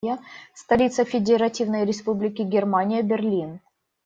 Столица Федеративной Республики Германия - Берлин.